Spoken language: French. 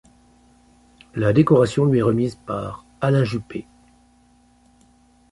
La décoration lui est remise le par Alain Juppé.